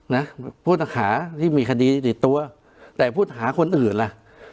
นะผู้ต้องหาที่มีคดีติดตัวแต่ผู้หาคนอื่นล่ะ